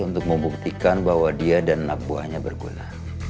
untuk membuktikan bahwa dia dan anak buahnya berguna